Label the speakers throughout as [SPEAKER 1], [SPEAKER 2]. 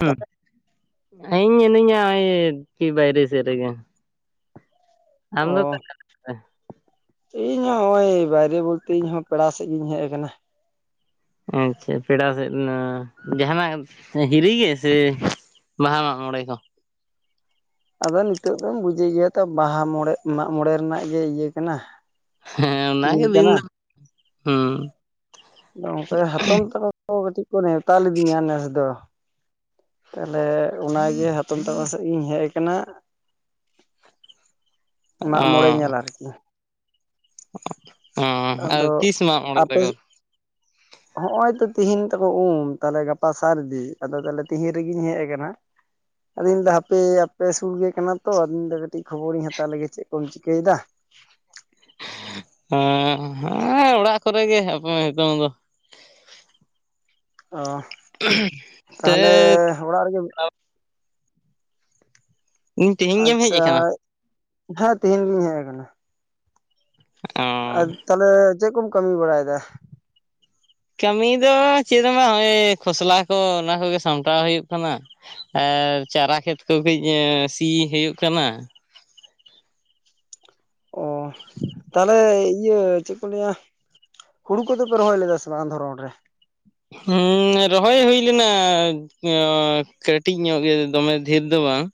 [SPEAKER 1] ᱦ [unintelligible] ᱤᱧ ᱢᱤᱱᱟᱹᱧᱟ ᱠᱤ ᱵᱟᱭᱨᱮ ᱥᱮᱫ ᱨᱮᱜᱮ ᱟᱢ ᱫᱚ
[SPEAKER 2] ᱚ
[SPEAKER 1] ᱛᱟᱦᱚᱞᱮ ᱚᱠᱟᱨᱮ
[SPEAKER 2] ᱤᱧ ᱦᱚᱸ ᱱᱚᱜᱼᱚᱭ ᱵᱟᱭᱨᱮ ᱵᱚᱞᱛᱮ ᱤᱧ ᱦᱚᱸᱸ ᱯᱮᱲᱟ ᱥᱮᱫ ᱜᱤᱧ ᱦᱮᱡ ᱟᱠᱟᱱᱟ
[SPEAKER 1] ᱟᱪᱪᱷᱟ ᱯᱮᱲᱟ ᱥᱮᱫ ᱨᱮᱱᱟᱜ ᱡᱟᱦᱟᱱᱟᱜ ᱦᱤᱨᱤ ᱜᱮᱥᱮ ᱵᱟᱦᱟ ᱢᱟᱜ ᱢᱚᱬᱮ ᱦᱚᱸ
[SPEAKER 2] ᱟᱫᱚ ᱱᱤᱛᱚᱜ ᱫᱚᱢ ᱵᱩᱡᱟᱹ ᱜᱮᱭᱟ ᱛᱚ ᱵᱟᱦᱟ ᱢᱚᱬᱮ ᱢᱟᱜ ᱢᱚᱬᱮ ᱨᱮᱱᱟᱜ ᱜᱮ ᱤᱭᱟᱹ ᱠᱟᱱᱟ
[SPEAKER 1] ᱦᱮᱸ ᱚᱱᱟᱜᱮ ᱫᱤᱱ ᱫᱚ ᱦᱮᱸ
[SPEAKER 2] ᱟᱫᱚ ᱜᱚᱢᱠᱮ ᱦᱟᱛᱚᱢ ᱛᱟᱠᱚ ᱠᱟᱹᱴᱤᱡ ᱠᱚ ᱱᱮᱣᱛᱟ ᱞᱤᱫᱤᱧᱟ ᱱᱮᱥ ᱫᱚ ᱛᱟᱦᱞᱮ ᱚᱱᱟᱜᱮ ᱦᱟᱛᱚᱢ ᱛᱟᱠᱚ ᱥᱮᱫ ᱤᱧ ᱦᱮᱡ ᱠᱟᱱᱟ ᱢᱟᱜ ᱢᱚᱬᱮ ᱧᱮᱞ ᱟᱨᱠᱤ
[SPEAKER 1] ᱚ [unintelligible] ᱟ ᱛᱤᱥ ᱢᱟᱜ ᱢᱟᱬᱮ ᱛᱟᱠᱚ
[SPEAKER 2] ᱦᱚᱜᱼᱚᱭ ᱛᱚ ᱛᱤᱦᱤᱧ ᱛᱟᱠᱚ ᱩᱢ ᱛᱟᱦᱞᱮ ᱜᱟᱯᱟ ᱥᱟᱨᱤᱫᱤ ᱟᱫᱚ ᱛᱟᱦᱚᱞᱮ ᱛᱮᱦᱤᱧ ᱨᱮᱜᱤᱧ ᱦᱮᱡ ᱠᱟᱱᱟ ᱟᱫᱚ ᱤᱧ ᱫᱚ ᱦᱟᱯᱮ ᱟᱯᱮ ᱥᱩᱨ ᱜᱮ ᱠᱟᱱᱟ ᱛᱚ ᱟᱫᱚ ᱤᱧ ᱫᱚ ᱠᱟᱹᱴᱤᱡ ᱠᱷᱚᱵᱚᱨᱤᱧ ᱦᱟᱛᱟᱣ ᱞᱮᱜᱮ ᱪᱮᱫ ᱠᱚᱢ ᱪᱤᱠᱟᱹᱭᱮᱫᱟ [inaudible]
[SPEAKER 1] ᱦᱮᱸ ᱦᱮᱸ ᱚᱲᱟᱜ ᱠᱚᱨᱮ ᱜᱮ ᱦᱟᱯᱮ ᱱᱤᱛᱚᱝ ᱫᱚ
[SPEAKER 2] ᱚ
[SPEAKER 1] ᱛᱮ
[SPEAKER 2] ᱛᱟᱦᱚᱞᱮ ᱚᱲᱟᱜ ᱨᱮᱜᱮ
[SPEAKER 1] ᱤᱧ ᱛᱮᱦᱮᱧ ᱜᱮᱢ ᱦᱮᱡ ᱟᱠᱟᱱᱟ
[SPEAKER 2] ᱟᱪᱪᱷᱟ ᱦᱮᱸ ᱛᱮᱦᱮᱧ ᱜᱤᱧ ᱦᱮᱡ ᱟᱠᱟᱱᱟ
[SPEAKER 1] ᱚ
[SPEAKER 2] ᱟᱨ ᱛᱟᱦᱚᱞᱮ ᱪᱮᱫ ᱠᱚᱢ ᱠᱟᱹᱢᱤ ᱵᱟᱲᱟᱭᱮᱫᱟ
[SPEAKER 1] ᱠᱟᱹᱢᱤ ᱫᱚ ᱪᱮᱫ ᱵᱟᱝ ᱱᱚᱜᱼᱚᱭ ᱠᱷᱚᱥᱞᱟ ᱠᱚ ᱚᱱᱟ ᱠᱚᱜᱮ ᱥᱟᱢᱴᱟᱣ ᱦᱩᱭᱩᱜ ᱠᱟᱱᱟ ᱟᱨ ᱪᱟᱨᱟ ᱠᱷᱮᱛ ᱠᱚ ᱠᱟᱹᱡ ᱥᱤ ᱦᱩᱭᱩᱜ ᱠᱟᱱᱟ
[SPEAKER 2] ᱚ ᱛᱟᱦᱚᱞᱮ ᱤᱭᱟᱹ ᱪᱮᱫ ᱠᱚ ᱞᱟᱹᱭᱟ ᱦᱩᱲᱩ ᱠᱚᱫᱚ ᱯᱮ ᱨᱚᱦᱚᱭ ᱞᱮᱫᱟ ᱥᱮ ᱵᱟᱝ ᱫᱷᱚᱨᱚᱱ ᱨᱮ
[SPEAKER 1] ᱦᱮᱸ ᱨᱚᱦᱚᱭ ᱦᱩᱭ ᱞᱮᱱᱟ ᱠᱟᱹᱴᱤᱡ ᱧᱚᱜ ᱜᱮ ᱫᱚᱢᱮ ᱰᱷᱮᱨ ᱫᱚ ᱵᱟᱝ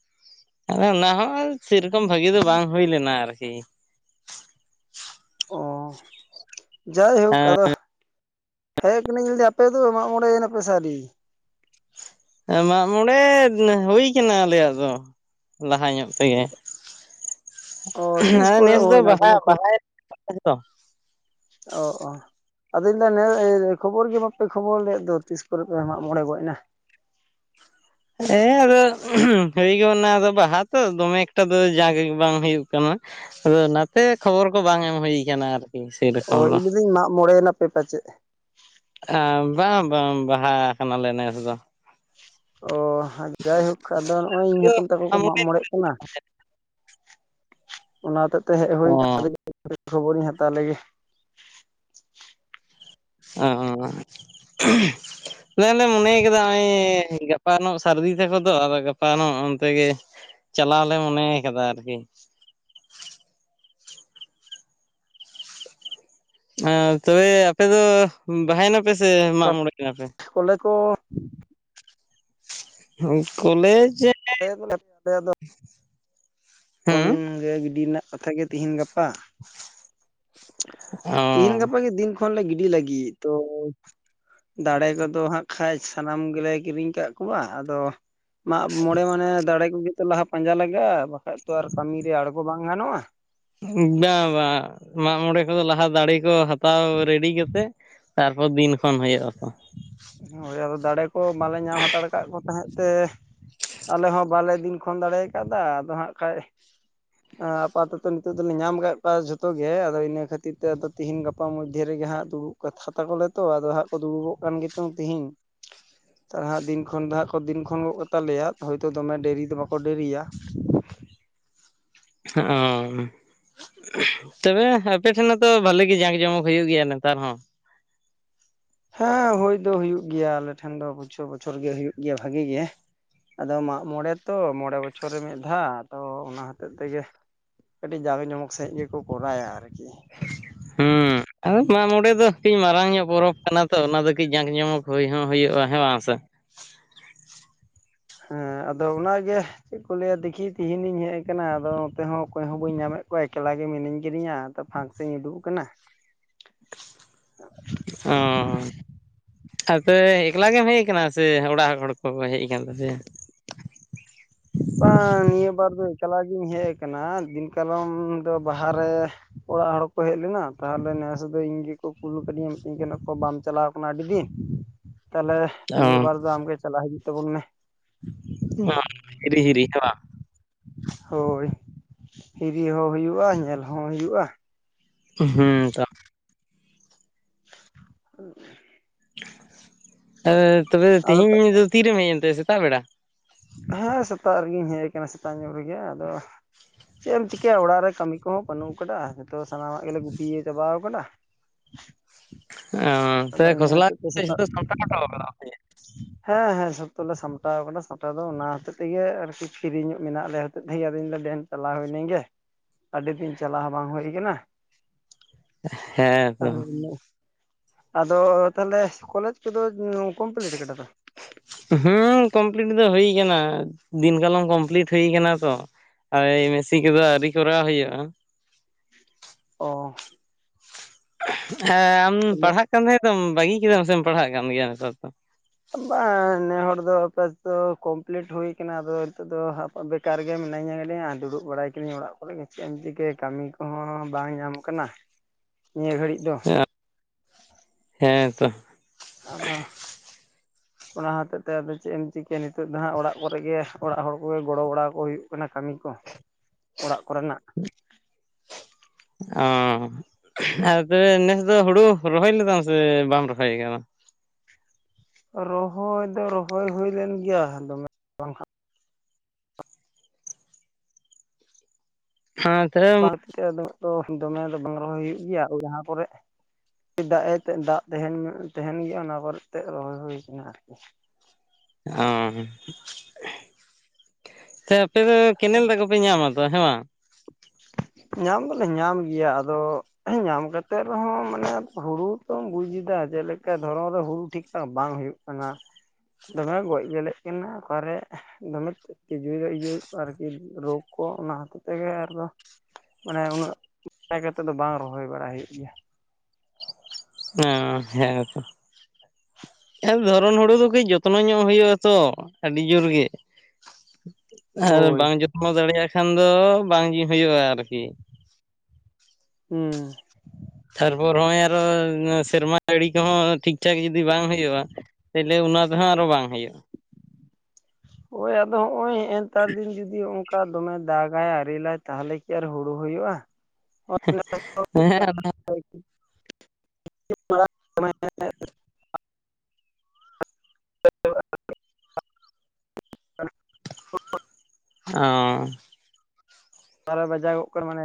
[SPEAKER 1] ᱚᱱᱟ ᱦᱚᱸ ᱥᱮᱨᱚᱠᱚᱢ ᱵᱷᱟᱹᱜᱤ ᱫᱚ ᱵᱟᱝ ᱦᱩᱭ ᱞᱮᱱᱟ ᱟᱨᱠᱤ
[SPEAKER 2] ᱚ ᱡᱟᱭᱦᱳᱠ ᱟᱫᱚ ᱦᱮᱡ ᱠᱟᱹᱱᱟᱹᱧ ᱞᱟᱹᱭᱟᱹᱫᱟ ᱟᱯᱮ ᱫᱚ ᱢᱟᱜ ᱢᱚᱬᱮᱭᱮᱱᱟᱯᱮ ᱥᱮ ᱟᱹᱣᱨᱤ
[SPEAKER 1] ᱢᱟᱜᱢᱚᱬᱮ ᱦᱩᱭ ᱠᱟᱱᱟ ᱟᱞᱮᱭᱟᱜ ᱫᱚ ᱞᱟᱦᱟ ᱧᱚᱜ ᱛᱮᱜᱮ
[SPEAKER 2] ᱚ ᱛᱤᱥ
[SPEAKER 1] ᱟ
[SPEAKER 2] ᱠᱚᱨᱮ
[SPEAKER 1] ᱱᱮᱥ ᱫᱚ
[SPEAKER 2] ᱦᱩᱭᱱᱟ
[SPEAKER 1] ᱵᱟᱦᱟ
[SPEAKER 2] ᱠᱳᱱᱳ ᱠᱷᱚ
[SPEAKER 1] ᱵᱟᱦᱟ [unintelligible] ᱭᱚ
[SPEAKER 2] ᱚ ᱚ ᱟᱫᱚᱧ ᱢᱮᱱ ᱮᱫᱟ ᱮᱱ ᱠᱷᱚᱵᱚᱨ ᱜᱮ ᱵᱟᱯᱮ ᱠᱷᱚᱵᱚᱨ ᱞᱮᱫ ᱫᱚ ᱛᱤᱥ ᱠᱚᱨᱮ ᱯᱮ ᱢᱟᱜ ᱢᱚᱬᱮ ᱜᱚᱫ ᱮᱱᱟ [inaudible]
[SPEAKER 1] ᱦᱮᱸ ᱟᱫᱚ ᱦᱩᱭ ᱜᱚᱫᱱᱟ ᱟᱫᱚ ᱵᱟᱦᱟ ᱛᱚ ᱫᱚᱢᱮ ᱮᱠᱴᱟ ᱫᱚ ᱡᱟᱡᱮ ᱵᱟᱝ ᱦᱩᱭᱩᱜ ᱠᱟᱱᱟ ᱟᱫᱚ ᱱᱟᱛᱮ ᱠᱷᱚᱵᱚᱨ ᱠᱚ ᱵᱟᱝ ᱮᱢ ᱦᱩᱭᱩᱠᱟᱱᱟ ᱟᱨᱠᱤ
[SPEAKER 2] ᱚ
[SPEAKER 1] ᱥᱮᱨᱚᱠᱟᱢ ᱫᱚ
[SPEAKER 2] ᱤᱧ ᱞᱟᱹᱭᱫᱟᱹᱧ ᱢᱟᱜ ᱢᱚᱬᱮᱭᱮᱱᱟᱯᱮ ᱯᱟᱪᱮᱫ
[SPEAKER 1] ᱟᱢ ᱵᱟᱝ ᱵᱟᱝ ᱵᱟᱦᱟ ᱠᱟᱱᱟᱞᱮ ᱱᱮᱥ ᱫᱚ
[SPEAKER 2] ᱚ ᱡᱟᱭᱦᱳᱠ ᱟᱫᱚ ᱱᱚᱜᱼᱚᱭ ᱤᱧ ᱦᱟᱛᱚᱢ ᱛᱟᱠᱚ ᱠᱚ ᱢᱟᱜ ᱢᱚᱬᱮᱜ ᱠᱟᱱᱟ ᱚᱱᱟ ᱦᱚᱛᱮᱜ ᱛᱮ ᱦᱮᱡ ᱦᱩᱭ
[SPEAKER 1] ᱚ
[SPEAKER 2] ᱠᱟᱱᱟ [unintelligible] ᱠᱷᱚᱵᱚᱨᱤᱧ ᱦᱟᱛᱟᱣ ᱞᱮᱜᱮ
[SPEAKER 1] ᱚ ᱟᱞᱮᱞ ᱞᱮ ᱢᱚᱱᱮᱭ ᱠᱮᱫᱟ ᱱᱚᱜᱼᱚᱭ ᱜᱟᱯᱟᱟᱱᱚᱜ ᱥᱟᱹᱨᱫᱤ ᱛᱟᱠᱚ ᱫᱚ ᱟᱫᱚ ᱜᱟᱯᱟᱱᱚᱜ ᱚᱱᱛᱮ ᱜᱮ ᱪᱟᱞᱟᱣᱞᱮ ᱢᱚᱱᱮ ᱠᱟᱫᱟ ᱟᱨᱠᱤ
[SPEAKER 2] [inaudible]
[SPEAKER 1] ᱸ ᱛᱚᱵᱮ ᱟᱯᱮ ᱫᱚ ᱵᱟᱦᱟᱭᱮᱱᱟᱯᱮ ᱥᱮ ᱢᱟᱜ
[SPEAKER 2] ᱛᱟᱯᱚᱨ
[SPEAKER 1] ᱢᱚᱬᱮᱱᱟᱯᱮ
[SPEAKER 2] ᱠᱚᱞᱮ ᱠᱚ
[SPEAKER 1] ᱠᱚᱞᱮᱡᱽ
[SPEAKER 2] [unintelligible]
[SPEAKER 1] [inaudible] ᱦᱮᱸ
[SPEAKER 2] ᱠᱷᱚᱱᱚᱱ ᱜᱮ ᱜᱤᱰᱤ ᱨᱮᱱᱟᱜ ᱠᱟᱛᱷ ᱜᱮ ᱛᱤᱦᱤᱧ ᱜᱟᱯᱟ
[SPEAKER 1] [unintelligible]
[SPEAKER 2] ᱛᱦᱤᱧ
[SPEAKER 1] ᱚ
[SPEAKER 2] ᱜᱟᱯᱟ ᱜᱮ ᱫᱤᱱ ᱠᱷᱚᱱᱞᱮ ᱜᱤᱰᱤ ᱞᱟᱹᱜᱤᱫ ᱛᱚ ᱫᱟᱲᱮ ᱠᱚᱫᱚ ᱦᱟᱸᱜ ᱠᱷᱟᱱᱡ ᱥᱟᱱᱟᱢ ᱜᱮᱞᱮ ᱠᱤᱨᱤᱧ ᱠᱟᱜ ᱠᱚᱣᱟ ᱟᱫᱚ ᱢᱟᱜ ᱢᱚᱬᱮ ᱢᱟᱱᱮ ᱫᱟᱲᱮ ᱠᱚᱜᱮ ᱛᱚ ᱞᱟᱦᱟ ᱯᱟᱸᱡᱟ ᱞᱟᱜᱟᱜᱼᱟ ᱵᱟᱠᱷᱟᱡ ᱛᱚ ᱟᱨ ᱠᱟᱹᱢᱤᱤᱨᱮ ᱟᱬᱜᱚ ᱵᱟᱝ ᱜᱟᱱᱚᱜᱼᱟ
[SPEAKER 1] ᱵᱟᱝ ᱵᱟᱝ ᱢᱟᱜᱢᱚᱬᱮ ᱠᱚᱫᱚ ᱞᱟᱦᱟ ᱫᱟᱲᱮ ᱠᱚ ᱦᱟᱛᱟᱣ ᱨᱮᱰᱤ ᱠᱟᱛᱮᱜ ᱛᱟᱨᱯᱚᱨ ᱫᱤᱱ ᱠᱷᱚᱱ ᱦᱩᱭᱩᱜᱼᱟ ᱛᱚ
[SPEAKER 2] ᱦᱳᱭ ᱟᱫᱚ ᱫᱟᱲᱮ ᱠᱚ ᱵᱟᱞᱮ ᱧᱟᱢ ᱦᱟᱛᱟᱲ ᱠᱟᱜ ᱠᱚ ᱛᱟᱦᱮᱸᱫ ᱛᱮ ᱟᱞᱮ ᱦᱚᱸ ᱵᱟᱞᱮ ᱫᱤᱱ ᱠᱷᱚᱱᱳᱱ ᱫᱟᱲᱮ ᱠᱟᱫᱟ ᱟᱫᱚ ᱦᱟᱸᱜ ᱠᱷᱟᱸᱡ ᱟᱯᱟᱛᱚᱛᱚ ᱱᱤᱛᱚᱜᱜ ᱫᱚᱞᱮ ᱧᱟᱢ ᱠᱫ ᱠᱚᱣᱟ ᱡᱷᱚᱛᱚ ᱜᱮ ᱟᱫᱚ ᱤᱱᱟᱹ ᱠᱷᱟᱹᱛᱤᱨ ᱛᱮ ᱟᱫᱚ ᱛᱤᱦᱤᱧ ᱜᱟᱯᱟ ᱢᱚᱫᱽᱫᱷᱮ ᱨᱮ ᱜᱮ ᱦᱟᱸᱜ ᱫᱩᱲᱩᱵ ᱠᱟᱛᱛᱟ ᱠᱚᱚᱞᱮ ᱛᱚ ᱟᱫᱚ ᱦᱟᱸᱜ ᱠᱚ ᱫᱩᱲᱩᱵᱚᱜ ᱠᱟᱱ ᱜᱮ ᱪᱚᱝ ᱛᱤᱦᱤᱧ ᱛᱚ ᱦᱟᱸᱜ ᱫᱤᱱ ᱠᱷᱚᱱ ᱫᱚ ᱦᱟᱸᱜ ᱠᱚ ᱫᱤᱱ ᱠᱷᱚᱱ ᱜᱚᱫ ᱠᱟᱛᱟᱞᱮᱭᱟ ᱦᱳᱭᱛᱳ ᱫᱚᱢᱮ ᱰᱮᱨᱤ ᱫᱚ ᱵᱟᱠᱚ ᱰᱮᱮᱨᱤᱭᱟ [inaudible]
[SPEAKER 1] ᱚ ᱛᱚᱵᱮ ᱟᱯᱮ ᱴᱷᱮᱱ ᱢᱟ ᱛᱚ ᱵᱟᱹᱞᱤ ᱜᱮ ᱡᱟᱸᱠ ᱡᱚᱢᱚᱠ ᱦᱩᱭᱩᱜ ᱜᱮᱭᱟ ᱱᱮᱛᱟᱨ ᱦᱚᱸ
[SPEAKER 2] ᱦᱮᱸ ᱦᱩᱭᱳᱭ ᱫᱚ ᱦᱩᱭᱩᱜ ᱜᱮᱭᱟ ᱟᱞᱮ ᱴᱷᱮᱱ ᱫᱚ ᱵᱚᱪᱷᱚᱨ ᱵᱚᱪᱷᱚᱨ ᱜᱮ ᱦᱩᱭᱩᱜ ᱜᱮᱭᱟ ᱵᱷᱟᱜᱤ ᱜᱮ ᱟᱫᱚ ᱢᱟᱜ ᱢᱚᱬᱮ ᱛᱚ ᱢᱚᱬᱮ ᱵᱚᱪᱷᱚᱨ ᱨᱮ ᱢᱤᱫ ᱫᱷᱟᱣ ᱟᱫᱚ ᱚᱱᱟ ᱦᱚᱛᱮᱜ ᱛᱮᱜᱮ ᱠᱟᱹᱴᱤᱡ ᱡᱟᱸᱠ ᱡᱚᱢᱚᱠ ᱥᱺᱮᱫ ᱜᱮᱠᱚ ᱠᱚᱨᱟᱭᱟ ᱟᱨᱠᱤ
[SPEAKER 1] ᱦᱩᱸ ᱟᱨ ᱵᱟᱝ ᱱᱚᱸᱰᱮ ᱫᱚ ᱠᱟᱹᱡ ᱢᱟᱨᱟᱝ ᱧᱚᱜ ᱯᱚᱨᱚᱵᱽ ᱠᱟᱱᱟ ᱛᱚ ᱚᱱᱟ ᱫᱚ ᱠᱟᱹᱡ ᱡᱟᱸᱠᱧᱚᱢᱚᱠ ᱦᱩᱭ ᱦᱚᱸ ᱦᱩᱭᱩᱜᱼᱟ ᱦᱮᱸ ᱵᱟᱝᱥ
[SPEAKER 2] [inaudible] ᱦᱮᱸ ᱟᱫᱚ ᱚᱱᱟᱜᱮ ᱪᱮᱫ ᱠᱚ ᱞᱟᱹᱭᱟ ᱫᱮᱠᱷᱤ ᱛᱤᱦᱤᱧᱤᱧ ᱦᱮᱡ ᱟᱠᱟᱱᱟ ᱟᱫᱚ ᱱᱚᱛᱮ ᱦᱚᱸ ᱚᱠᱚᱭ ᱦᱚᱸ ᱵᱟᱹᱧ ᱧᱟᱢᱮᱫ ᱠᱚ ᱮᱠᱞᱟ ᱜᱮ ᱢᱤᱱᱟᱹᱧ ᱠᱤᱫᱤᱧᱟ ᱯᱷᱟᱠ ᱥᱮᱧ ᱩᱰᱩᱠ ᱟᱠᱟᱱᱟ
[SPEAKER 1] ᱚ ᱟᱫᱚᱮ ᱮᱠᱞᱟ ᱜᱮᱢ ᱦᱮᱡ ᱟᱠᱟᱱᱟ ᱥᱮ ᱚᱲᱟᱜ ᱦᱚᱲ ᱠᱚ ᱜᱠᱚ ᱦᱮᱡ ᱟᱠᱟᱱ ᱛᱟᱯᱮᱭᱟ
[SPEAKER 2] ᱵᱟᱝ ᱱᱤᱭᱟᱹ ᱵᱟᱨᱫ ᱠᱟᱞᱟ ᱜᱤᱧ ᱦᱮᱡ ᱟᱠᱟᱱᱟ ᱫᱤᱱᱠᱟᱞᱚᱢ ᱫᱚ ᱵᱟᱦᱟᱨ ᱨᱮ ᱚᱲᱟᱜ ᱦᱚᱲ ᱠᱚ ᱦᱮᱡ ᱞᱮᱱᱟ ᱛᱟᱦᱚᱞᱮ ᱱᱮᱮᱥ ᱫᱚ ᱤᱧ ᱜᱮᱠᱚ ᱠᱩᱞ ᱠᱟᱹᱫᱤᱧᱟ ᱢᱤᱛᱟᱹᱧ ᱠᱟᱱᱟ ᱠᱚ ᱵᱟᱢ ᱪᱟᱞᱟᱣ ᱠᱟᱱᱟ ᱟᱹᱰᱤ ᱫᱤᱱ ᱛᱟᱦᱚᱞᱮ
[SPEAKER 1] ᱚ
[SPEAKER 2] ᱱᱤᱭᱟᱹ ᱵᱟᱨ ᱫᱚ ᱟᱢᱜᱮ ᱪᱟᱞᱟᱜ ᱦᱤᱡᱩᱜ ᱛᱟᱵᱚᱱ ᱢᱮ
[SPEAKER 1] [unintelligible]
[SPEAKER 2] ᱦᱳᱭ ᱦᱤᱨᱤ ᱦᱚᱸ ᱦᱩᱭᱩᱜᱼᱟ ᱧᱮᱞ ᱦᱚᱸ ᱦᱩᱭᱩᱜᱼᱟ
[SPEAKER 1] ᱦᱮᱸ ᱛᱚ
[SPEAKER 2] ᱦ [inaudible]
[SPEAKER 1] ᱛᱚᱵᱮ
[SPEAKER 2] ᱟᱫᱚ
[SPEAKER 1] ᱛᱮᱦᱤᱧ ᱫᱚ ᱛᱤᱨᱮᱢ ᱦᱮᱡ ᱮᱱᱛᱮ ᱥᱮᱛᱟᱜ ᱵᱮᱲᱟ
[SPEAKER 2] ᱦᱮᱸ ᱥᱮᱛᱟᱜ ᱨᱮᱜᱮᱧ ᱦᱮᱡ ᱟᱠᱟᱱᱟ ᱥᱮᱛᱟᱜ ᱧᱚᱜ ᱨᱮᱜᱮ ᱟᱫᱚ ᱪᱮᱫ ᱮᱢ ᱪᱤᱠᱟᱹᱭᱟ ᱚᱲᱟᱜ ᱨᱮ ᱠᱟᱹᱢᱤ ᱠᱚᱦᱚᱸ ᱵᱟᱹᱱᱩᱜ ᱠᱟᱫᱟ ᱱᱤᱛᱚ ᱥᱟᱱᱟᱢᱟᱜ ᱜᱮᱞᱮ ᱜᱩᱯᱤᱭ ᱪᱟᱵᱟᱣ ᱠᱟᱫᱟ [unintelligible]
[SPEAKER 1] ᱚ
[SPEAKER 2] ᱟᱫᱚ
[SPEAKER 1] ᱛᱚᱵᱮ
[SPEAKER 2] ᱤᱱᱟᱹ
[SPEAKER 1] ᱠᱷᱚᱥᱞᱟ
[SPEAKER 2] ᱦᱚᱛᱳ ᱛᱮ ᱥᱮᱛᱟᱜ
[SPEAKER 1] ᱡᱚᱛᱚ ᱥᱟᱢᱴᱟᱣ ᱦᱚᱴᱚ ᱠᱟᱫᱟᱢ ᱥᱮ ᱪᱮᱫ?
[SPEAKER 2] ᱦᱮᱸ ᱦᱮᱸ ᱚᱞ ᱞᱮ ᱥᱟᱢᱟᱣ ᱟᱠᱟᱱᱟ ᱥᱟᱢᱴᱟᱣ ᱫᱚ ᱚᱱᱟ ᱦᱚᱛᱮᱡ ᱛᱮᱜᱮ ᱟᱨᱠᱤ ᱠᱤᱨᱤᱧᱚᱜ ᱢᱮᱱᱟᱜᱼᱟ ᱟᱞᱮ ᱦᱚᱛ ᱛᱮ ᱟᱧᱮ ᱰᱮᱢ ᱪᱟᱞᱟᱣ ᱦᱩᱭᱱᱟ ᱜᱮ ᱟᱹᱰᱤ ᱫᱤᱱ ᱪᱟᱣ ᱦᱚᱸ ᱵᱟᱝ ᱦᱩᱭ ᱠᱟᱱᱟ
[SPEAKER 1] ᱦᱮᱸ ᱛᱚ
[SPEAKER 2] [unintelligible] ᱟᱫᱚ ᱛᱟᱦᱚᱞᱮ ᱠᱚᱞᱮᱡᱽ ᱠᱚᱫᱚ ᱠᱚᱢᱯᱞᱤᱴ ᱟᱠᱟ ᱛ
[SPEAKER 1] ᱦᱮᱸ ᱠᱚᱢᱯᱞᱤᱴ ᱫᱚ ᱦᱩᱭ ᱠᱟᱱᱟ ᱫᱤᱱ ᱠᱟᱞᱚᱢ ᱠᱚᱢᱯᱞᱤᱴ ᱦᱩᱭ ᱠᱟᱱᱟ ᱛᱚ᱾ ᱟᱨ ᱢᱮᱥᱤ ᱠᱚᱫᱚ ᱟᱣᱨᱤ ᱠᱚᱨᱟᱣ ᱦᱩᱭᱩᱜᱼᱟ᱾
[SPEAKER 2] ᱚ
[SPEAKER 1] ᱦᱮᱸ ᱟᱢ ᱯᱟᱲᱦᱟᱜ ᱠᱟᱱ ᱛᱟᱦᱮᱸ ᱫᱚ ᱵᱟᱹᱜᱤ ᱠᱮᱫᱟᱢ ᱥᱮᱢ ᱯᱟᱲᱦᱟᱜ ᱠᱟᱱ ᱜᱮᱭᱟ ᱱᱮᱛᱟᱨ ᱫᱚ
[SPEAKER 2] ᱵᱟᱝ ᱱᱮ ᱦᱚᱲ ᱫᱚ ᱫᱚ ᱠᱚᱢᱯᱞᱤᱴ ᱦᱩᱭ ᱠᱟᱱᱟ ᱟᱫᱚ ᱱᱤᱛᱚᱜ ᱫᱚ ᱵᱮᱠᱟᱨ ᱜᱮ᱾ ᱢᱤᱱᱟᱹᱧᱟ ᱜᱰᱤ ᱫᱩᱲᱩᱵ ᱵᱟᱲᱟᱭ ᱠᱟᱹᱤᱫᱧ ᱚᱲᱟᱜ ᱠᱚᱨᱮ ᱜᱮ ᱪᱮᱫ ᱮᱢ ᱪᱤᱠᱟᱹ ᱠᱟᱹᱢᱤ ᱠᱚᱦᱚᱸ ᱵᱟᱝ ᱧᱟᱢ ᱟᱠᱟᱱᱟ᱾ ᱱᱤᱭᱟᱹ ᱜᱷᱟᱹᱲᱤᱡ ᱫᱚ᱾
[SPEAKER 1] ᱦᱮᱸ ᱛᱚ
[SPEAKER 2] ᱟᱫᱚ ᱚᱱᱟ ᱦᱚᱛᱮᱡ ᱛᱮ ᱟᱫᱚ ᱪᱮᱫ ᱮᱢ ᱪᱤᱠᱟᱹᱭᱟ ᱱᱤᱛᱚᱜ ᱫᱚ ᱦᱟᱸᱜ ᱚᱲᱟᱜ ᱠᱚᱨᱮᱜ ᱜᱮ ᱚᱲᱟᱜ ᱦᱚᱲ ᱠᱚᱜᱮ ᱜᱚᱲᱚ ᱵᱟᱲᱟ ᱠᱚ ᱦᱩᱭᱩᱜ ᱠᱟᱱᱟ᱾ ᱠᱟᱹᱢᱤ ᱠᱚ ᱚᱲᱟᱜ ᱠᱚᱨᱮᱱᱟᱜ
[SPEAKER 1] ᱚ ᱟᱨ ᱛᱚᱵᱮ ᱱᱮᱥ ᱫᱚ ᱦᱩᱲᱩ ᱨᱚᱦᱚᱭ ᱞᱮᱫᱟᱢ ᱥᱮ ᱵᱟᱢ ᱨᱚᱦᱚᱭ ᱠᱟᱱᱟ
[SPEAKER 2] ᱨᱚᱦᱚᱭ ᱫᱚ ᱨᱚᱦᱚᱭ ᱦᱩᱭ ᱞᱮᱱ ᱜᱮᱭᱟ ᱫᱚᱢᱮ ᱵᱟᱝ
[SPEAKER 1] ᱦᱮᱸ ᱛᱟᱦᱚᱞᱮ
[SPEAKER 2] ᱵᱟᱝ ᱛᱤᱛᱮ ᱩᱱᱟᱹᱜ ᱫᱚ ᱫᱚᱢᱮ ᱫᱚ ᱵᱟᱝ ᱨᱚᱦᱚᱭ ᱦᱩᱭᱩᱜ ᱜᱮᱭᱟ ᱟᱨ ᱡᱟᱦᱟᱸ ᱠᱚᱨᱮ ᱫᱟᱜ ᱮ ᱫᱟᱜ ᱛᱟᱦᱮᱱ ᱛᱟᱦᱮᱱ ᱜᱮᱭᱟ ᱚᱱᱟ ᱠᱚᱨᱮᱛᱮ ᱨᱚᱦᱚᱭ ᱦᱩᱭ ᱠᱟᱱᱟ ᱟᱨᱠᱤ
[SPEAKER 1] ᱚ ᱥᱮᱼᱼ ᱟᱯᱮ ᱫᱚ ᱠᱮᱱᱮᱞ ᱫᱟᱜ ᱠᱚᱯᱮ ᱧᱟᱢᱟ ᱛᱚ ᱦᱮᱸ ᱵᱟᱝ
[SPEAKER 2] ᱧᱟᱢ ᱫᱚᱞᱮ ᱧᱟᱢ ᱜᱮᱭᱟ ᱟᱫᱚ ᱧᱟᱢ ᱠᱟᱛᱮᱫ ᱨᱮᱦᱚᱸ ᱢᱟᱱᱮ ᱦᱩᱲᱩ ᱛᱚᱢ ᱵᱩᱡ ᱮᱫᱟ ᱡᱮᱞᱮᱠᱟ ᱫᱷᱚᱨᱚᱱ ᱨᱮ ᱦᱩᱲᱩ ᱴᱷᱤᱠ ᱴᱷᱟᱠ ᱵᱟᱝ ᱦᱩᱭᱩᱜ ᱠᱟᱱᱟ ᱫᱚᱢᱮ ᱜᱚᱡ ᱜᱮᱞᱮᱜ ᱠᱟᱱᱟ ᱚᱠᱟᱨᱮ ᱫᱚᱢᱮ ᱛᱤᱡᱩᱭ ᱫᱟ ᱤᱭᱟᱹ ᱟᱨᱠᱤ ᱨᱳᱜᱽ ᱠᱚ ᱟ ᱚᱱᱟ ᱦᱚᱛᱮᱡ ᱛᱮᱜᱮ ᱟᱨ ᱫᱚ ᱢᱟᱱᱮ ᱩᱱᱟᱹᱜ ᱵᱟᱭ ᱠᱟᱛᱮᱮᱫ ᱫᱚ ᱵᱟᱝ ᱨᱚᱦᱚᱭ ᱵᱟᱲᱟ ᱦᱩᱭᱩᱜ ᱜᱮᱭᱟ
[SPEAKER 1] ᱚ ᱦᱮᱸ ᱛᱚ ᱫᱷᱚᱨᱚᱱ ᱦᱩᱲᱩ ᱫᱚ ᱠᱟᱹᱡ ᱡᱚᱛᱱᱚ ᱧᱚᱜ ᱦᱩᱭᱩᱜ ᱟ ᱛᱚ ᱟᱹᱰᱤ ᱡᱳᱨ ᱜᱮ ᱟᱨ
[SPEAKER 2] ᱦᱳᱭ
[SPEAKER 1] ᱵᱟᱝ ᱡᱚᱛᱱᱚ ᱫᱟᱲᱮᱭᱟᱜ ᱠᱷᱟᱱ ᱫᱚ ᱵᱟᱝ ᱜᱮ ᱦᱩᱭᱩᱜᱼᱟ ᱟᱨᱠᱤ
[SPEAKER 2] ᱦᱮᱸ
[SPEAKER 1] ᱛᱟᱨᱯᱚᱨ ᱱᱚᱜᱼᱚᱭ ᱟᱨᱚ ᱥᱮᱨᱢᱟ ᱡᱟᱲᱤ ᱠᱚᱦᱚᱸ ᱴᱷᱤᱠ ᱴᱷᱟᱠ ᱡᱩᱫᱤ ᱵᱟᱝ ᱦᱩᱭᱩᱜᱼᱟ ᱛᱟᱦᱞᱮ ᱚᱱᱟ ᱛᱮᱦᱚᱸ ᱟᱨᱚ ᱵᱟᱝ ᱦᱩᱭᱩᱜᱼᱟ
[SPEAKER 2] ᱦᱳᱭ ᱟᱫᱚ ᱦᱚᱸᱜᱼᱚᱭ ᱱᱮᱛᱟᱨ ᱫᱤᱱ ᱡᱩᱫᱤ ᱚᱱᱠᱟ ᱫᱚᱢᱮ ᱫᱟᱜᱟᱭ ᱟᱨᱮᱞᱟᱭ ᱛᱟᱦᱚᱞᱮ ᱠᱤ ᱟᱨ ᱦᱩᱲᱩ ᱦᱩᱭᱩᱜᱼᱟ᱾
[SPEAKER 1] ᱦᱮᱸ
[SPEAKER 2] ᱚᱲ [unintelligible] [inaudible] [inaudible]
[SPEAKER 1] ᱚ
[SPEAKER 2] ᱵᱟᱨᱚ ᱵᱟᱡᱟᱣᱚᱜ ᱠᱟᱱᱟ ᱢᱟᱱᱮ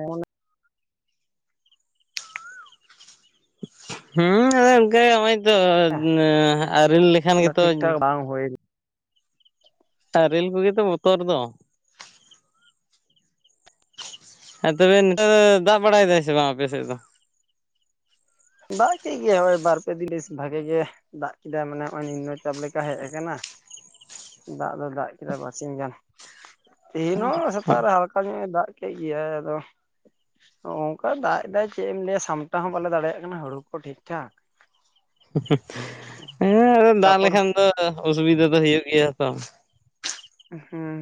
[SPEAKER 1] ᱦᱩᱸ ᱟᱫᱚ ᱚᱱᱠᱟᱜᱮ ᱫᱚ ᱟᱹᱨᱤᱞ ᱞᱮᱠᱷᱟᱱ
[SPEAKER 2] ᱢᱟᱱᱮ
[SPEAKER 1] ᱜᱮᱛᱚ
[SPEAKER 2] ᱴᱷᱤᱠ ᱴᱷᱟᱠ ᱵᱟᱝ ᱦᱩᱭ
[SPEAKER 1] ᱟᱨ ᱟᱨᱮᱹᱞ ᱠᱚᱜᱮ ᱛᱚ ᱵᱚᱛᱚᱨ ᱫᱚ ᱦᱮᱸ ᱛᱚᱵᱮ ᱱᱮᱛᱟᱨ ᱫᱚ ᱫᱟᱜ ᱵᱟᱲᱟᱭ ᱮᱫᱟᱭ ᱥᱮ ᱵᱟᱝ ᱟᱯᱮ ᱥᱮᱫ ᱫᱚ?
[SPEAKER 2] ᱫᱟᱜ ᱠᱮᱫ ᱜᱮ ᱦᱚᱜ-ᱚᱭ ᱵᱟᱨᱯᱮ ᱫᱤᱱᱤᱥ ᱵᱷᱟᱜᱤ ᱜᱮ ᱫᱟᱜ ᱠᱮᱫᱟᱭ ᱢᱟᱱᱮ ᱱᱚᱜ-ᱚᱭ ᱱᱤᱢᱱᱚ ᱪᱟᱯ ᱞᱮᱠᱟ ᱦᱮᱡ ᱟᱠᱟᱱᱟ᱾ ᱫᱟᱜ ᱫᱚ ᱫᱟᱜ ᱠᱮᱫᱟ ᱵᱟᱨᱥᱤᱧ ᱜᱟᱱ᱾ ᱛᱤᱦᱤᱧ ᱦᱚ ᱥᱮᱛᱟᱜ ᱨᱮ ᱦᱟᱞᱠᱟ ᱧᱚ ᱫᱟᱜ ᱠᱮᱫ ᱜᱮᱭᱟᱭ ᱟᱫᱚ ᱱᱚᱝᱠᱟᱭ ᱫᱟᱜ ᱮ ᱫᱟᱭ ᱪᱮᱫ ᱮᱢ ᱞᱟᱹᱭᱟ ᱥᱟᱢᱴᱟᱣ ᱦᱚᱸ ᱵᱟᱞᱮ ᱫᱟᱲᱮᱭᱟᱜ ᱠᱟᱱᱟ ᱦᱩᱲᱩ ᱠᱚ ᱴᱷᱤᱠ ᱴᱷᱟᱠ
[SPEAKER 1] ᱦᱮᱸ ᱫᱟᱜ
[SPEAKER 2] ᱛᱟᱯᱚᱨ
[SPEAKER 1] ᱞᱮᱠᱷᱟᱱ ᱫᱚ ᱚᱥᱩᱵᱤᱫᱟ ᱫᱚ ᱦᱩᱭᱩᱜ ᱜᱮᱭᱟ ᱵᱟᱝ
[SPEAKER 2] ᱦᱮᱸ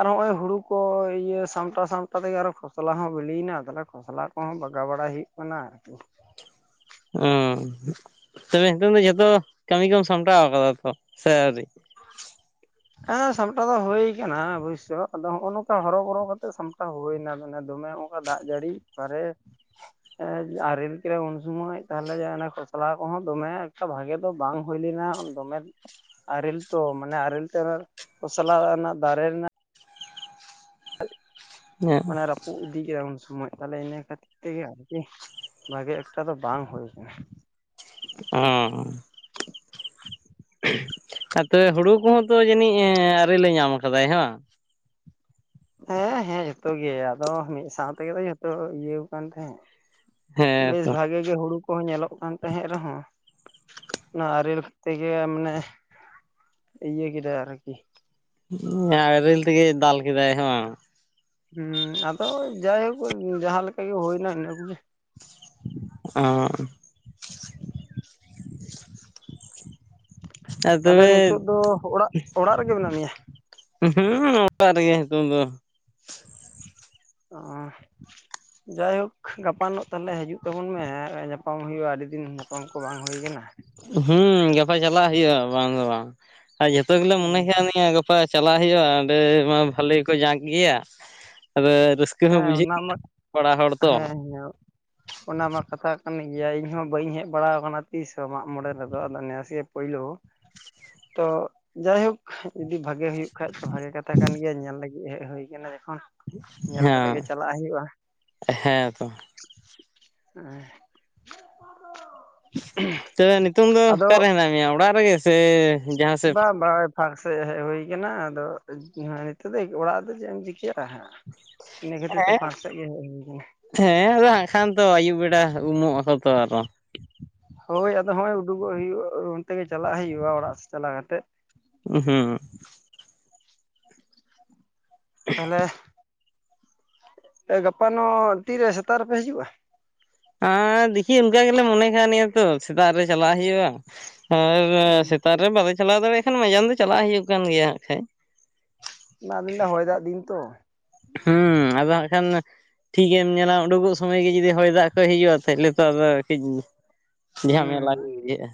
[SPEAKER 2] ᱟᱨ ᱦᱚᱸᱜᱼᱚᱭ ᱦᱩᱲᱩ ᱠᱚ ᱤᱭᱟᱹ ᱥᱟᱢᱴᱟᱣ ᱥᱟᱢᱴᱟᱣ ᱛᱮᱜᱮ ᱟᱨᱚ ᱠᱷᱚᱥᱚᱞᱟ ᱦᱚᱸ ᱵᱤᱞᱤᱭᱮᱱᱟ᱾ ᱛᱟᱦᱞᱮ ᱠᱷᱚᱥᱞᱟ ᱠᱚᱦᱚᱸ ᱵᱟᱜᱟᱣ ᱵᱟᱲᱟᱭ ᱦᱩᱭᱩᱜ ᱠᱟᱱᱟ ᱟᱨᱠᱤ
[SPEAKER 1] ᱚ ᱛᱚᱵᱮ ᱱᱤᱛᱚᱝ ᱫᱚ ᱡᱚᱛᱚ ᱠᱟᱹᱢᱤ ᱠᱚᱢ ᱥᱟᱢᱴᱟᱣ ᱠᱟᱫᱟ ᱛᱚ ᱥᱮ ᱟᱹᱣᱨᱤ
[SPEAKER 2] [inaudible] ᱦᱮᱸ ᱥᱟᱢᱴᱟᱣ ᱫᱚ ᱦᱩᱭ ᱠᱟᱱᱟ ᱚᱵᱚᱥᱳᱭ ᱟᱫᱚ ᱱᱚᱝᱠᱟ ᱦᱚᱨᱚ ᱵᱚᱨᱚ ᱠᱟᱛᱮ ᱥᱟᱢᱴᱟᱣ ᱦᱩᱭᱱᱟ ᱮᱱᱟ᱾ ᱫᱚᱢᱮ ᱚᱱᱠᱟ ᱫᱟᱜ ᱡᱟᱹᱲᱤ ᱚᱠᱟᱨᱮ ᱟᱨᱮᱞ ᱠᱮᱫ ᱩᱱ ᱥᱚᱢᱚᱭ ᱛᱟᱦᱞᱮ ᱚᱱᱮ ᱠᱷᱚᱥᱞᱟ ᱠᱚᱦᱚᱸ ᱫᱚᱢᱮ ᱮᱠᱴᱟ ᱵᱷᱟᱜᱮ ᱫᱚ ᱵᱟᱝ ᱦᱩᱭ ᱞᱮ ᱱᱟ ᱫᱚᱢᱮ ᱟᱨᱮᱞ ᱛᱚ ᱢᱟᱱᱮ ᱟᱨᱮᱞ ᱠᱷᱚᱥᱞᱟ ᱨᱮᱱᱟᱜ ᱫᱟᱨᱮ ᱨᱮᱱᱟᱜ ᱢᱟᱱᱮ ᱨᱯᱩ ᱤᱫᱤ ᱠᱮᱫ [unintelligible] ᱥᱚᱢᱚᱭ ᱛᱚᱞᱮ ᱤᱱᱟᱹ ᱠᱷᱟᱛᱮᱭᱟᱜ ᱜᱮ ᱵᱷᱟᱜᱮ ᱮᱠᱴᱟ ᱫᱚ ᱵᱟᱝ ᱦᱩᱭ ᱠᱟᱱᱟ
[SPEAKER 1] ᱚᱸ ᱟ ᱛᱚᱵᱮ ᱦᱩᱲᱩ ᱠᱚᱦᱚᱸ ᱛᱚ ᱡᱟᱹᱱᱤᱡ ᱟᱨᱮᱞ ᱮ ᱧᱟᱢ ᱠᱟᱫᱟᱭ ᱵᱟᱝ
[SPEAKER 2] ᱦᱮᱸ ᱦᱮᱸ ᱡᱚᱛᱚ ᱜᱮ ᱟᱫᱚ ᱢᱤᱫ ᱥᱟᱶ ᱛᱮᱜᱮ ᱛᱚ ᱡᱚᱛᱚ ᱤᱭᱟᱹᱣ ᱠᱟᱱ ᱛᱟᱦᱮᱸᱫ
[SPEAKER 1] ᱦᱮᱸ
[SPEAKER 2] ᱵᱮᱥ
[SPEAKER 1] ᱛᱚ
[SPEAKER 2] ᱵᱷᱟᱜᱮ ᱜᱮ ᱦᱩᱲᱩ ᱠᱚ ᱧᱮᱞᱚᱜ ᱠᱟᱱ ᱛᱟᱦᱮᱸᱫ ᱨᱮᱦᱚᱸ ᱚᱱᱟ ᱟᱨᱮᱞ ᱛᱮᱜᱮ ᱢᱟᱱᱮ ᱤᱭᱟᱹ ᱠᱮᱫᱟᱭ ᱟᱨᱠᱤ
[SPEAKER 1] ᱟᱨᱤᱞ ᱛᱮᱜᱮ ᱫᱟᱞ ᱠᱮᱫᱟᱭ ᱦᱮᱸ ᱵᱟᱸᱜ
[SPEAKER 2] ᱦᱩᱸ ᱟᱫᱚ ᱡᱟᱭᱦᱳᱠ ᱡᱟᱦᱟᱸ ᱞᱮᱠᱟ ᱜᱮ ᱦᱩᱭᱱᱟ ᱤᱱᱟᱹ ᱠᱚᱜᱮ
[SPEAKER 1] ᱚ ᱦ ᱟᱨ
[SPEAKER 2] ᱛᱟᱦᱚᱞᱮ
[SPEAKER 1] ᱛᱚᱵᱮ
[SPEAKER 2] ᱱᱤᱛᱚᱜ ᱫᱚ ᱚᱲᱟᱜ ᱚᱲᱟᱜ ᱨᱮᱜᱮ ᱢᱮᱱᱟᱜ ᱢᱮᱭᱟ
[SPEAKER 1] ᱦᱩᱸ ᱚᱟᱨ ᱨᱮᱜᱮ ᱱᱤᱛᱳᱜ ᱫᱚ
[SPEAKER 2] ᱚ ᱡᱟᱭᱦᱳᱠ ᱜᱟᱯᱟᱱᱚᱜ ᱛᱟᱦᱞᱮ ᱦᱤᱡᱩᱜ ᱛᱟᱵᱚᱱ ᱢᱮ ᱧᱟᱯᱟᱢ ᱦᱩᱭᱩᱜᱼᱟ ᱟ. ᱰᱤ ᱫᱤᱱ ᱧᱟᱯᱟᱢ ᱠᱚ ᱵᱟᱝ ᱦᱩᱭ ᱠᱟᱱᱟ᱾
[SPEAKER 1] ᱦᱩᱸ ᱜᱟᱯᱟ ᱪᱟᱞᱟᱜ ᱦᱩᱭᱩᱜᱼᱟ ᱵᱟᱝ ᱫᱚ ᱵᱟᱝ ᱟᱨ ᱡᱷᱚᱛᱚ ᱜᱮᱞᱮ ᱢᱚᱱᱮ ᱠᱟᱣᱱᱤᱡ-ᱟ ᱜᱟᱯᱟ ᱪᱟᱞᱟᱜ ᱦᱩᱭᱩᱜᱼᱟ ᱚᱸᱰᱮ ᱢᱟ ᱵᱟᱹᱞᱤ ᱠᱚ ᱡᱟᱸᱠ ᱜᱮᱭᱟ ᱟᱫᱚ ᱨᱟᱹᱥᱠᱟᱹ ᱦᱚᱸ
[SPEAKER 2] ᱦᱮᱸ
[SPEAKER 1] ᱵᱩᱡᱷᱟᱹᱜ
[SPEAKER 2] ᱚᱱᱟ ᱢᱟ
[SPEAKER 1] [inaudible] ᱠᱚᱲᱟ ᱦᱚᱲ ᱛᱚ
[SPEAKER 2] ᱦᱮᱸ ᱚᱱᱟ ᱢᱟ ᱠᱟᱛᱷᱟ ᱠᱟᱱ ᱜᱮᱭᱟ ᱤᱧᱦ ᱵᱟᱹᱧ ᱦᱮᱡ ᱵᱟᱲᱟ ᱠᱟᱱᱟ ᱛᱤᱥᱦᱚᱸ ᱢᱟᱜ ᱢᱚᱬᱮ ᱨᱮᱫᱚ ᱟᱫᱚ ᱱᱮᱥ ᱜᱮ ᱯᱩᱭᱞᱩ ᱛᱚ ᱡᱟᱭᱦᱳᱠ ᱵᱷᱟᱜᱮ ᱦᱩᱭᱩᱜ ᱠᱷᱟᱡ ᱵᱷᱟᱜᱮ ᱠᱟᱛᱷᱟ ᱠᱟᱱ ᱜᱮᱭᱟ ᱧᱮᱞ ᱞᱟᱹᱜᱤᱜ ᱦᱮᱡ ᱦᱩᱭ ᱠᱟᱱᱟ᱾
[SPEAKER 1] ᱦᱮᱸ ᱦᱮᱸᱛᱚ
[SPEAKER 2] [unintelligible]
[SPEAKER 1] ᱛᱚᱵᱮ ᱱᱤᱛᱚᱝ ᱫᱚ
[SPEAKER 2] ᱟᱫᱚ
[SPEAKER 1] ᱚᱠᱟᱨᱮ ᱦᱮᱱᱟᱜ ᱢᱮᱭᱟ ᱚᱲᱟᱜ ᱨᱮᱜᱮ ᱥᱮ ᱡᱟᱦᱟᱸ ᱥᱮᱫ
[SPEAKER 2] ᱵᱟᱝ ᱵᱟᱝ ᱯᱷᱟᱸᱠ ᱥᱮᱫ ᱦᱮᱡ ᱦᱩᱭ ᱠᱟᱱᱟ ᱟᱫᱚ ᱱᱤᱛᱚᱜ ᱫᱚ ᱚᱲᱟᱜ ᱨᱮ ᱫᱚ ᱪᱮᱫ ᱮᱢ ᱪᱤᱠᱟᱹᱭᱟ ᱦᱟᱸᱜ ᱤᱱᱟᱹ ᱠᱷᱟᱹᱛᱤᱨ ᱛᱮ
[SPEAKER 1] ᱦᱮᱸ
[SPEAKER 2] ᱯᱷᱟᱸᱠ ᱥᱮᱫ ᱜᱮ ᱦᱮᱡ ᱦᱩᱭ ᱠᱟᱱᱟ
[SPEAKER 1] ᱦᱮᱸ [unintelligible] ᱟᱹᱭᱩᱵ ᱵᱮᱲᱟ [unintelligible]
[SPEAKER 2] ᱩᱰᱩᱩᱜᱚᱜ ᱦᱩᱭᱩᱜᱼᱟ ᱚᱱᱛᱮ ᱜᱮ ᱪᱟᱞᱟᱜ ᱦᱩᱭᱩᱜᱼᱟ ᱚᱲᱟᱜ ᱥᱮᱫ ᱪᱟᱞᱟᱣ ᱠᱟᱛᱮ
[SPEAKER 1] ᱦᱩᱸ
[SPEAKER 2] ᱛᱟᱦᱞᱮ ᱜᱟᱯᱟᱱ ᱛᱤᱨᱮ ᱥᱮᱛᱟᱜ ᱨᱮᱯᱮ ᱦᱤᱡᱩᱜᱼᱟ
[SPEAKER 1] ᱦᱮᱸ ᱫᱤᱠᱤ ᱚᱱᱠᱟ ᱜᱮᱞᱮ ᱢᱚᱱᱮ ᱠᱷ ᱱᱤᱭᱟᱹ ᱛᱚ ᱥᱮᱛᱟᱜ ᱨᱮ ᱪᱟᱞᱟᱜ ᱦᱩᱭᱩᱜᱼᱟ ᱥᱮᱛᱟᱜ ᱨᱮ ᱵᱟᱞᱮ ᱪᱟᱞᱟᱣ ᱫᱟᱲᱮᱭᱟᱜ ᱠᱷᱟᱱ ᱢᱟᱡᱟᱱ ᱫᱚ ᱪᱟᱞᱟᱜ ᱦᱩᱭᱩᱜ ᱠᱟᱱ ᱜᱮᱭᱟ ᱦᱟᱸᱜ
[SPEAKER 2] ᱚᱱᱟ ᱫ ᱦᱚᱭ ᱫᱟᱜ ᱫᱤᱱ ᱛᱚ
[SPEAKER 1] ᱦᱩᱸ ᱟᱫᱚ [unintelligible] ᱴᱷᱤᱠ ᱜᱮᱢ ᱧᱮᱞᱟ ᱩᱰᱩᱠᱚᱜ ᱥᱚᱢᱚᱭ ᱜᱮ ᱡᱩᱫᱤ ᱦᱚᱭ ᱫᱟᱜ ᱠᱷ ᱦᱤᱡᱩᱜᱼᱟ ᱛᱟᱦᱚᱞᱮ ᱛᱚ ᱟᱫᱚ ᱠᱟᱹᱴᱤᱡ
[SPEAKER 2] ᱦᱩᱸ
[SPEAKER 1] ᱡᱷᱟᱢᱮᱞᱟ ᱵᱩᱭᱩᱜᱼᱟ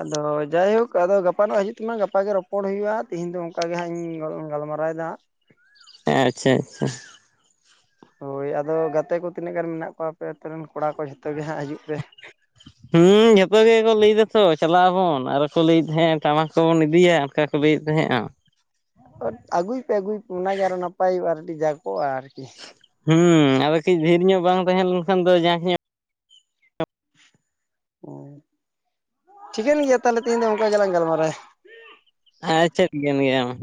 [SPEAKER 2] ᱟᱫᱚ ᱡᱟᱭᱦᱳᱠ ᱟᱫᱚ ᱜᱟᱯᱟ ᱱᱚᱚᱜ ᱦᱤᱡᱩᱜ [unintelligible] ᱜᱟᱯᱟᱜᱮ ᱨᱚᱯᱚᱲ ᱦᱩᱭᱩᱜᱼᱟ ᱛᱮᱤᱦᱤᱧ ᱫᱚ ᱚᱱᱠᱟ ᱜᱮ ᱦᱟᱸᱜ ᱤᱧ ᱜᱟᱞᱢᱟᱨᱟᱣᱮᱫᱟ ᱦᱟᱸᱜ
[SPEAKER 1] ᱟᱪᱪᱷᱟ ᱟᱪᱪᱷᱟ
[SPEAKER 2] ᱦᱳᱭ ᱟᱫᱚ ᱜᱟᱛᱮ ᱠᱚ ᱛᱤᱱᱟᱹᱜ ᱜᱟᱱ ᱢᱮᱱᱟᱜ ᱠᱚᱣᱟ ᱟᱯᱮ ᱟ ᱟᱹᱛᱩᱩᱨ ᱨᱮᱱ ᱠᱚᱲᱟ ᱠᱚ ᱡᱚ ᱛᱚᱜᱮ ᱦᱟᱸᱜ ᱦᱤᱡᱩᱜ ᱯᱮ
[SPEAKER 1] ᱦᱩᱸ ᱡᱷᱚᱛᱚ ᱜᱮᱠᱚ ᱞᱟᱹᱭ ᱫᱟᱛᱚ ᱪᱟᱞᱟᱜ ᱟᱵᱚᱱ ᱟᱨ ᱠᱚ ᱞᱟᱹᱭᱮᱫ ᱛᱟᱦᱮᱸ ᱟ ᱴᱟᱢᱟᱠ ᱠᱚᱵᱚᱱ ᱤᱫᱤᱭᱟ ᱚᱱᱠᱟ ᱠᱚ ᱞᱟᱹᱭᱮᱫ ᱛᱟᱦᱮᱸᱫᱼᱟ
[SPEAKER 2] ᱟᱹᱜᱩᱭ ᱯᱮ ᱟᱹᱜᱩᱭ ᱯᱮ ᱚᱱᱟᱜᱮ ᱟᱨᱚ ᱱᱟᱯᱟᱭ ᱟᱨ ᱟᱹᱰᱤ ᱡᱟ ᱠᱚᱜᱼᱟ ᱟᱨᱠᱤ
[SPEAKER 1] ᱦᱩᱸ ᱟᱫᱚ ᱠᱟᱹᱡ ᱵᱷᱤᱨ ᱧᱚᱜ ᱵᱟᱝ ᱛᱟᱦᱮᱸ ᱞᱮᱱᱠᱷᱟᱱ ᱫᱚ ᱡᱟᱠ ᱧᱚᱜ
[SPEAKER 2] ᱚᱳ ᱴᱷᱤᱠᱟᱹᱱ ᱜᱮᱭᱟ ᱛᱟᱦᱞᱮ ᱛᱮᱦᱮᱧ ᱫᱚ ᱚᱱᱠᱟ ᱜᱮᱞᱟᱝ ᱜᱟᱞᱢᱟᱨᱟᱭᱟ᱾
[SPEAKER 1] ᱟᱪᱪᱷᱟ ᱴᱤᱠᱟᱹᱱ ᱜᱮᱭᱟ ᱢᱟ